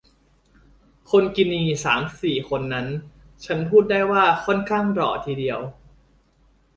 คนกินีสามสี่คนนั้น ฉันพูดได้ว่าค่อนข้างหล่อทีเดียว